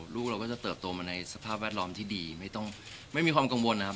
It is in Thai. ลูกเราก็จะเติบโตมาในสภาพแวดล้อมที่ดีไม่ต้องไม่มีความกังวลนะครับ